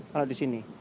kalau di sini